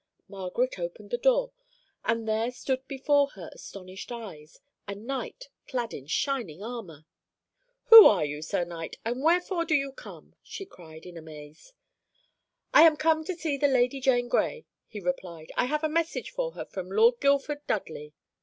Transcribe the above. "Margaret opened the door, and there stood before her astonished eyes a knight clad in shining armor. "'Who are you, Sir Knight, and wherefore do you come?' she cried, in amaze. "'I am come to see the Lady Jane Grey,' he replied; 'I have a message for her from Lord Guildford Dudley.'